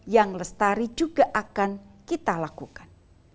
yang lestari juga akan kita lakukan